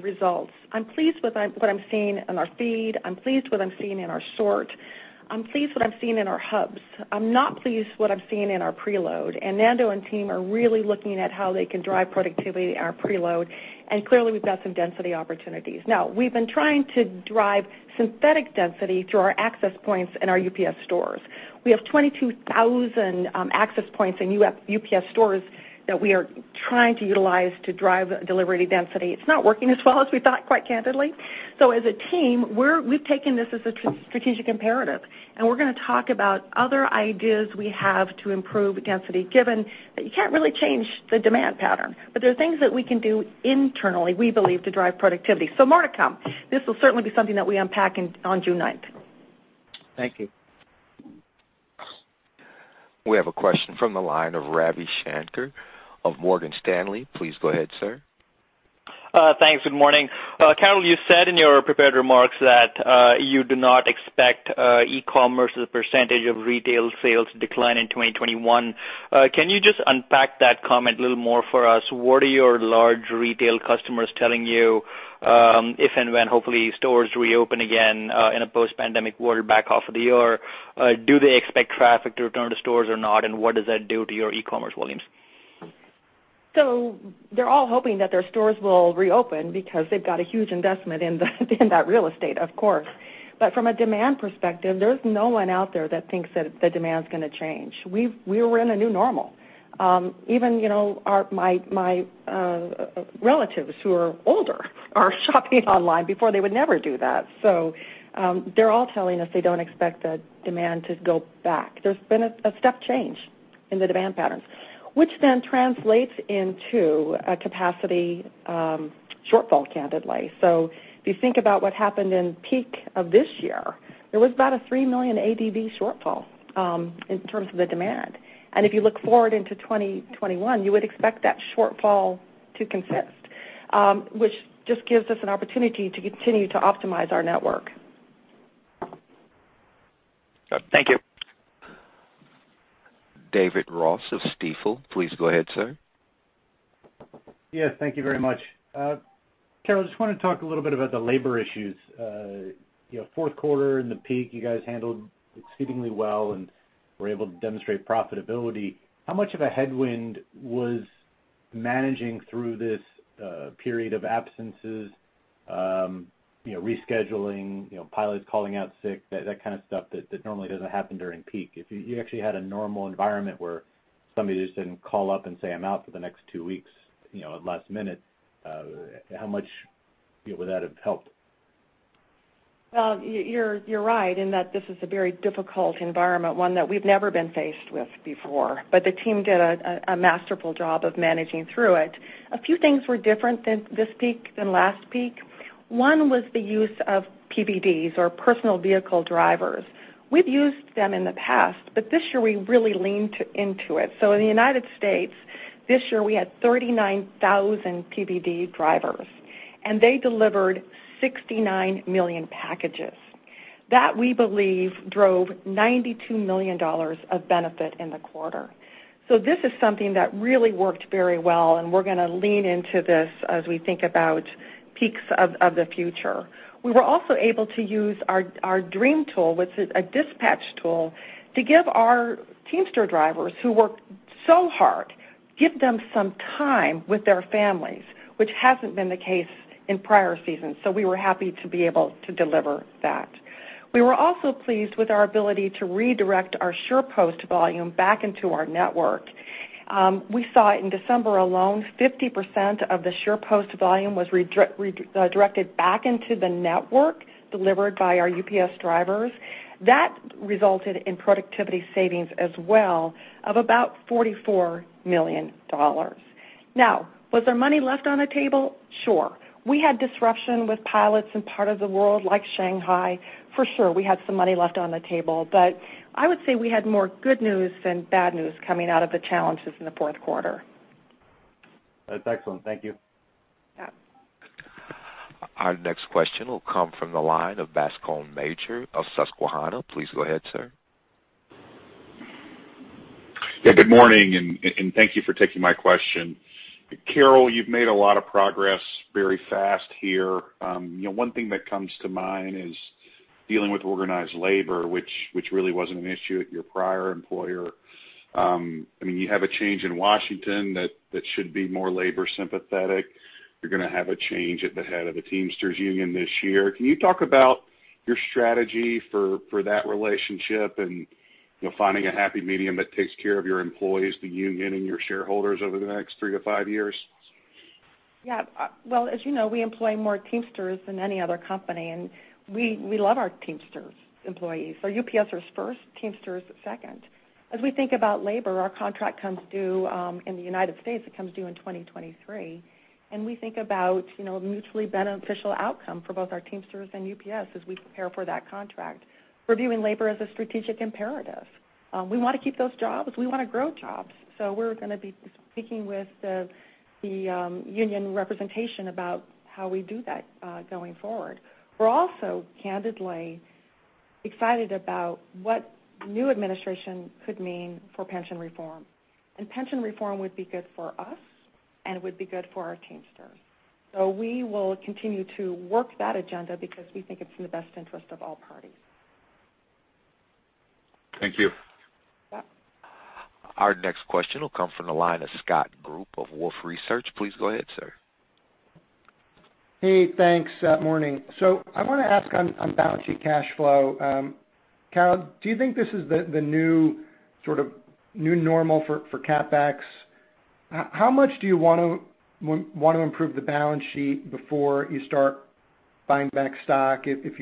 results, I'm pleased with what I'm seeing in our feed. I'm pleased what I'm seeing in our sort. I'm pleased what I'm seeing in our hubs. I'm not pleased what I'm seeing in our preload. Nando and team are really looking at how they can drive productivity in our preload. Clearly, we've got some density opportunities. Now, we've been trying to drive synthetic density through our access points in our UPS Stores. We have 22,000 access points in UPS Stores that we are trying to utilize to drive delivery density. It's not working as well as we thought, quite candidly. As a team, we've taken this as a strategic imperative, and we're going to talk about other ideas we have to improve density, given that you can't really change the demand pattern. There are things that we can do internally, we believe, to drive productivity. More to come. This will certainly be something that we unpack on June 9th. Thank you. We have a question from the line of Ravi Shanker of Morgan Stanley. Please go ahead, sir. Thanks. Good morning. Carol, you said in your prepared remarks that you do not expect e-commerce as a percentage of retail sales decline in 2021. Can you just unpack that comment a little more for us? What are your large retail customers telling you if and when, hopefully, stores reopen again in a post-pandemic world back half of the year? Do they expect traffic to return to stores or not? What does that do to your e-commerce volumes? They're all hoping that their stores will reopen because they've got a huge investment in that real estate, of course. From a demand perspective, there's no one out there that thinks that the demand's going to change. We're in a new normal. Even my relatives who are older are shopping online. Before they would never do that. They're all telling us they don't expect the demand to go back. There's been a step change in the demand patterns, which then translates into a capacity shortfall, candidly. If you think about what happened in peak of this year, there was about a 3 million ADV shortfall in terms of the demand. If you look forward into 2021, you would expect that shortfall to consist, which just gives us an opportunity to continue to optimize our network. Thank you. David Ross of Stifel. Please go ahead, sir. Yes, thank you very much. Carol, just want to talk a little bit about the labor issues. Fourth quarter in the peak, you guys handled exceedingly well and were able to demonstrate profitability. How much of a headwind was managing through this period of absences, rescheduling, pilots calling out sick, that kind of stuff that normally doesn't happen during peak? If you actually had a normal environment where somebody just didn't call up and say, "I'm out for the next two weeks" at last minute, how much would that have helped? Well, you're right in that this is a very difficult environment, one that we've never been faced with before. The team did a masterful job of managing through it. A few things were different this peak than last peak. One was the use of PVDs or Personal Vehicle Drivers. We've used them in the past, this year we really leaned into it. In the United States this year, we had 39,000 PVD drivers, and they delivered 69 million packages. That, we believe, drove $92 million of benefit in the quarter. This is something that really worked very well, and we're going to lean into this as we think about peaks of the future. We were also able to use our Dream tool, which is a dispatch tool, to give our Teamster drivers who work so hard, give them some time with their families, which hasn't been the case in prior seasons. We were happy to be able to deliver that. We were also pleased with our ability to redirect our SurePost volume back into our network. We saw it in December alone, 50% of the SurePost volume was redirected back into the network delivered by our UPS drivers. That resulted in productivity savings as well of about $44 million. Now, was there money left on the table? Sure. We had disruption with pilots in part of the world like Shanghai. For sure, we had some money left on the table, but I would say we had more good news than bad news coming out of the challenges in the fourth quarter. That's excellent. Thank you. Yeah. Our next question will come from the line of Bascome Majors of Susquehanna. Please go ahead, sir. Yeah, good morning, and thank you for taking my question. Carol, you've made a lot of progress very fast here. One thing that comes to mind is dealing with organized labor, which really wasn't an issue at your prior employer. You have a change in Washington that should be more labor sympathetic. You're going to have a change at the head of the Teamsters Union this year. Can you talk about your strategy for that relationship and finding a happy medium that takes care of your employees, the union, and your shareholders over the next three to five years? Yeah. Well, as you know, we employ more Teamsters than any other company, and we love our Teamsters employees. UPSers first, Teamsters second. As we think about labor, our contract comes due in the United States, it comes due in 2023, and we think about mutually beneficial outcome for both our Teamsters and UPS as we prepare for that contract. We're viewing labor as a strategic imperative. We want to keep those jobs. We want to grow jobs. We're going to be speaking with the union representation about how we do that going forward. We're also, candidly excited about what new administration could mean for pension reform. Pension reform would be good for us and would be good for our Teamsters. We will continue to work that agenda because we think it's in the best interest of all parties. Thank you. Yeah. Our next question will come from the line of Scott Group of Wolfe Research. Please go ahead, sir. Hey, thanks. Morning. I want to ask on balance sheet cash flow. Carol, do you think this is the new normal for CapEx? How much do you want to improve the balance sheet before you start buying back stock? If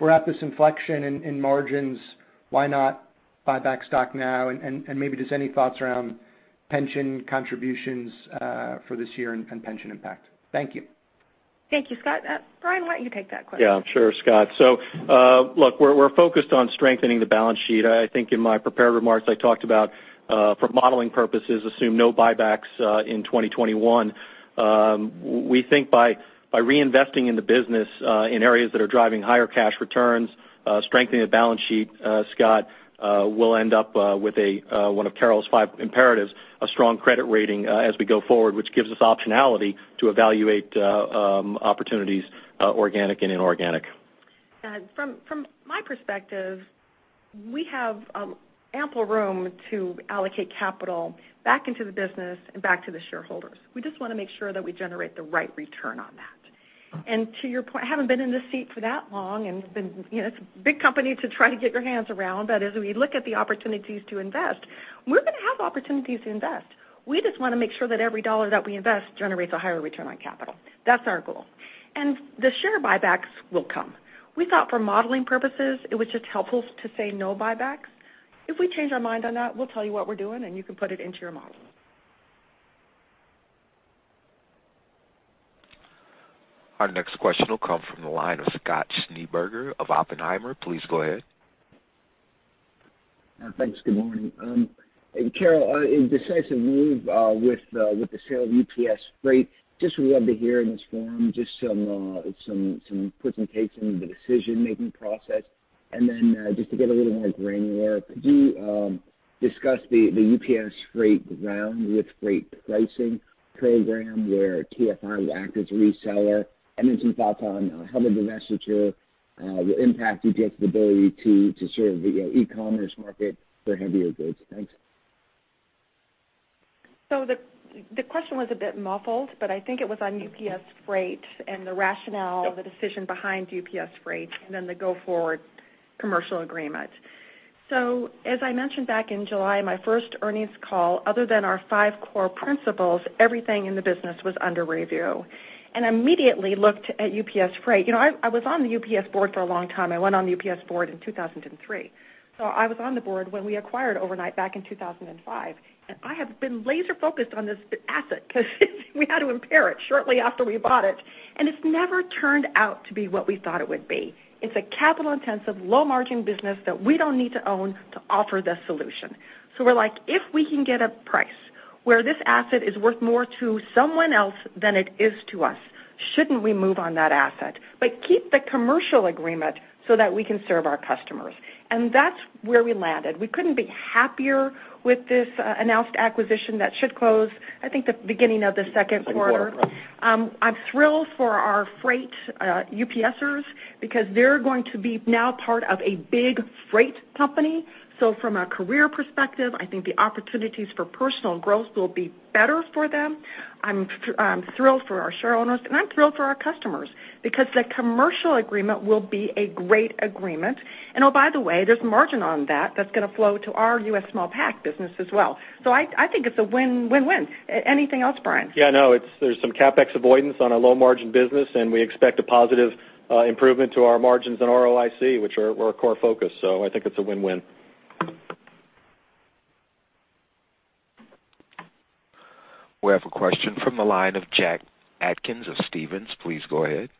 we're at this inflection in margins, why not buy back stock now? Maybe just any thoughts around pension contributions for this year and pension impact? Thank you. Thank you, Scott. Brian, why don't you take that question? Yeah. Sure, Scott. Look, we're focused on strengthening the balance sheet. I think in my prepared remarks, I talked about, for modeling purposes, assume no buybacks in 2021. We think by reinvesting in the business in areas that are driving higher cash returns, strengthening the balance sheet, Scott, we'll end up with one of Carol's five imperatives, a strong credit rating as we go forward, which gives us optionality to evaluate opportunities, organic and inorganic. From my perspective, we have ample room to allocate capital back into the business and back to the shareholders. We just want to make sure that we generate the right return on that. To your point, I haven't been in this seat for that long, and it's a big company to try to get your hands around. As we look at the opportunities to invest, we're going to have opportunities to invest. We just want to make sure that every dollar that we invest generates a higher return on capital. That's our goal. The share buybacks will come. We thought for modeling purposes, it was just helpful to say no buybacks. If we change our mind on that, we'll tell you what we're doing, and you can put it into your model. Our next question will come from the line of Scott Schneeberger of Oppenheimer. Please go ahead. Thanks. Good morning. Carol, a decisive move with the sale of UPS Freight. Just would love to hear in this forum just some presentation of the decision-making process. Then, just to get a little more granular, could you discuss the UPS Freight Ground with Freight Pricing program where TFI will act as a reseller, and then some thoughts on how the divestiture will impact UPS's ability to serve the e-commerce market for heavier goods? Thanks. The question was a bit muffled, but I think it was on UPS Freight and the rationale of the decision behind UPS Freight, and then the go-forward commercial agreement. As I mentioned back in July, my first earnings call, other than our five core principles, everything in the business was under review. Immediately looked at UPS Freight. I was on the UPS board for a long time. I went on the UPS board in 2003. I was on the board when we acquired Overnite back in 2005, and I have been laser-focused on this asset because we had to impair it shortly after we bought it. It's never turned out to be what we thought it would be. It's a capital-intensive, low-margin business that we don't need to own to offer the solution. We're like, if we can get a price where this asset is worth more to someone else than it is to us, shouldn't we move on that asset, but keep the commercial agreement so that we can serve our customers? That's where we landed. We couldn't be happier with this announced acquisition that should close, I think, the beginning of the second quarter. I'm thrilled for our freight UPSers because they're going to be now part of a big freight company. From a career perspective, I think the opportunities for personal growth will be better for them. I'm thrilled for our share owners, and I'm thrilled for our customers because the commercial agreement will be a great agreement. Oh, by the way, there's margin on that that's going to flow to our U.S. small pack business as well. I think it's a win-win-win. Anything else, Brian? Yeah, no. There's some CapEx avoidance on a low-margin business, and we expect a positive improvement to our margins and ROIC, which are our core focus. I think it's a win-win. We have a question from the line of Jack Atkins of Stephens. Please go ahead.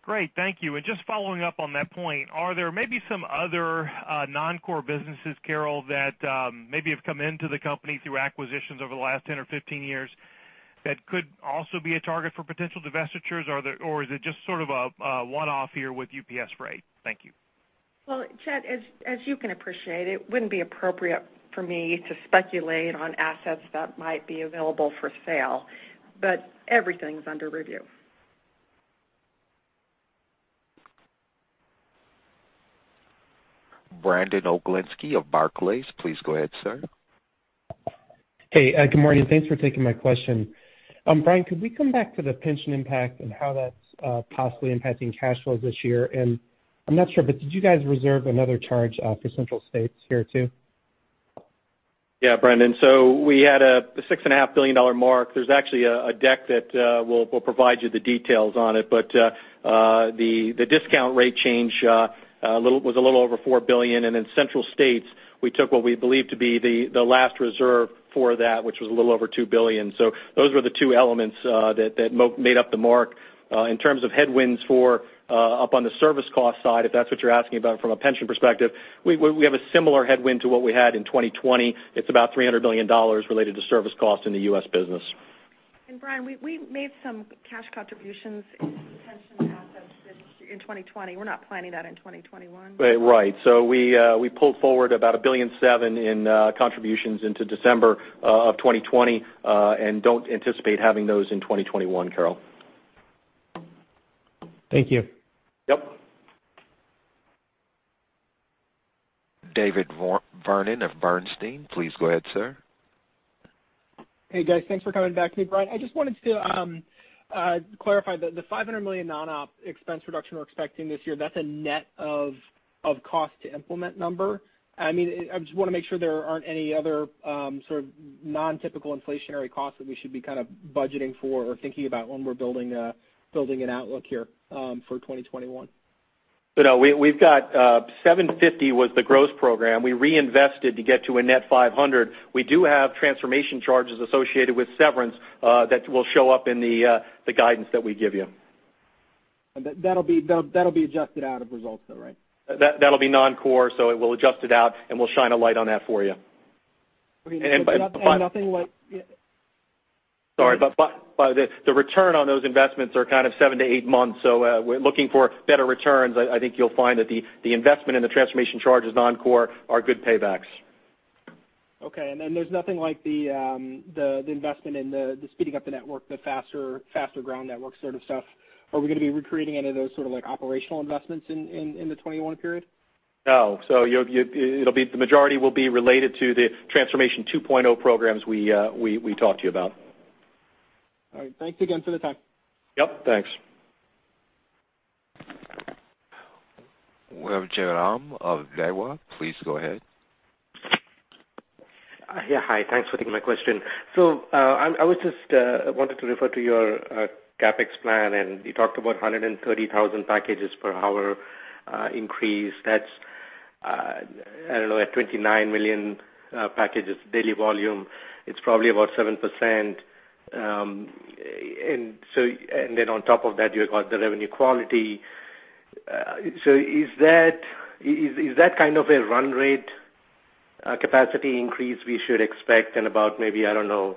Great. Thank you. Just following up on that point, are there maybe some other non-core businesses, Carol, that maybe have come into the company through acquisitions over the last 10 or 15 years that could also be a target for potential divestitures? Is it just sort of a one-off here with UPS Freight? Thank you. Well, Jack, as you can appreciate, it wouldn't be appropriate for me to speculate on assets that might be available for sale. Everything's under review. Brandon Oglenski of Barclays. Please go ahead, sir. Hey, good morning. Thanks for taking my question. Brian, could we come back to the pension impact and how that's possibly impacting cash flows this year? I'm not sure, but did you guys reserve another charge for Central States here, too? Yeah, Brandon. We had the $6.5 billion mark. There's actually a deck that will provide you the details on it. The discount rate change was a little over $4 billion. In Central States, we took what we believe to be the last reserve for that, which was a little over $2 billion. Those were the two elements that made up the mark. In terms of headwinds for up on the service cost side, if that's what you're asking about from a pension perspective, we have a similar headwind to what we had in 2020. It's about $300 million related to service costs in the U.S. business. Brian, we made some cash contributions into pension assets in 2020. We're not planning that in 2021. Right. We pulled forward about $1.7 billion in contributions into December of 2020, and don't anticipate having those in 2021, Carol. Thank you. Yep. David Vernon of Bernstein. Please go ahead, sir. Hey, guys. Thanks for coming back to me. Brian, I just wanted to clarify, the $500 million non-op expense reduction we're expecting this year, that's a net of cost to implement number? I just want to make sure there aren't any other sort of non-typical inflationary costs that we should be kind of budgeting for or thinking about when we're building an outlook here for 2021. No. $750 was the gross program. We reinvested to get to a net $500. We do have Transformation charges associated with severance that will show up in the guidance that we give you. That'll be adjusted out of results, though, right? That'll be non-core, so it will adjust it out, and we'll shine a light on that for you. And nothing like- Sorry. The return on those investments are kind of seven to eight months, so we're looking for better returns. I think you'll find that the investment in the transformation charges non-core are good paybacks. Okay. There's nothing like the investment in the speeding up the network, the faster ground network sort of stuff. Are we going to be recreating any of those sort of operational investments in the 2021 period? No. The majority will be related to the Transformation 2.0 programs we talked to you about. All right. Thanks again for the time. Yep. Thanks. We have Jairam of Jefferies. Please go ahead. Yeah. Hi. Thanks for taking my question. I wanted to refer to your CapEx plan, and you talked about 130,000 packages per hour increase. That's, I don't know, at 29 million packages daily volume. It's probably about 7%. On top of that, you've got the revenue quality. Is that kind of a run rate capacity increase we should expect and about maybe, I don't know,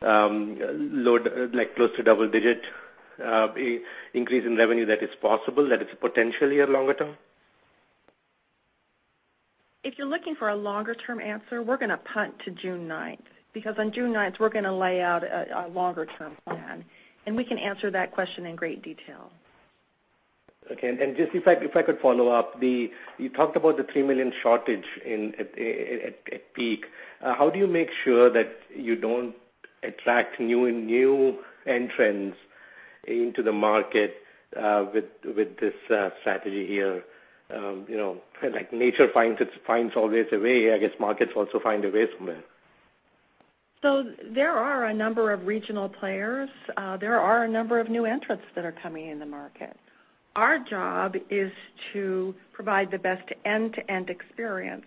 close to double-digit increase in revenue that is possible, that is potentially longer term? If you're looking for a longer-term answer, we're going to punt to June 9th because on June 9th, we're going to lay out a longer-term plan. We can answer that question in great detail. Okay. Just if I could follow up, you talked about the 3 million shortage at peak. How do you make sure that you don't attract new entrants into the market with this strategy here? Nature finds all ways away. I guess markets also find a way somewhere. There are a number of regional players. There are a number of new entrants that are coming in the market. Our job is to provide the best end-to-end experience.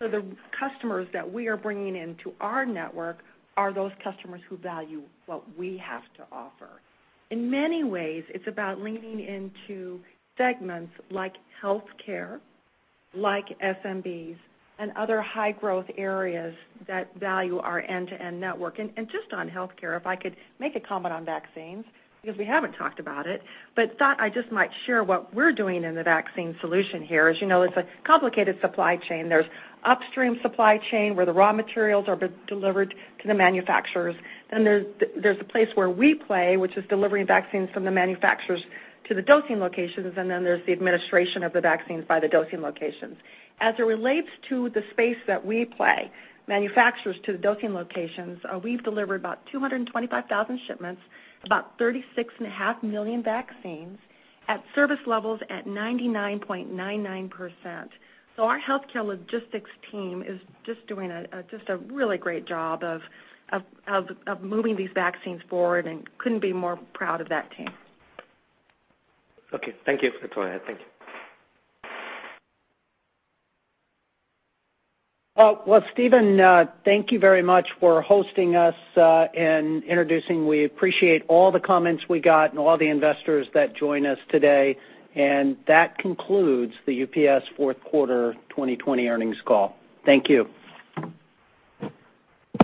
The customers that we are bringing into our network are those customers who value what we have to offer. In many ways, it's about leaning into segments like healthcare, like SMBs, and other high growth areas that value our end-to-end network. Just on healthcare, if I could make a comment on vaccines, because we haven't talked about it, but thought I just might share what we're doing in the vaccine solution here. As you know, it's a complicated supply chain. There's upstream supply chain where the raw materials are delivered to the manufacturers. There's a place where we play, which is delivering vaccines from the manufacturers to the dosing locations, and then there's the administration of the vaccines by the dosing locations. As it relates to the space that we play, manufacturers to the dosing locations, we've delivered about 225,000 shipments, about 36.5 million vaccines at service levels at 99.99%. Our healthcare logistics team is just doing a really great job of moving these vaccines forward, and couldn't be more proud of that team. Okay. Thank you for color. Thank you. Well, Steven, thank you very much for hosting us and introducing. We appreciate all the comments we got and all the investors that joined us today. That concludes the UPS fourth quarter 2020 earnings call. Thank you.